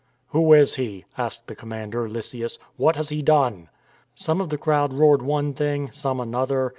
"Who is he?" asked the commander, Lysias. "What has he done?" Some of the crowd roared one thing, some another.